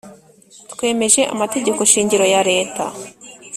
Twemeje Amategeko shingiro ya leta